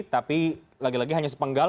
tapi lagi lagi hanya sepenggal